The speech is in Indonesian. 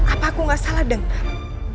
apa aku gak salah dengar